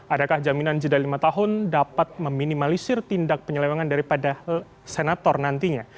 adakah jaminan jeda lima tahun dapat meminimalisir tindak penyelewangan daripada senator nantinya